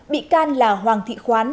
bị can là hoàng thị khoán